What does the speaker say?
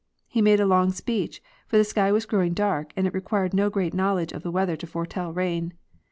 He made a long speech, for the sky was growing dark, and it required no great knowledge of the weather to foretell: rain.